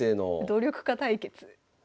努力家対決。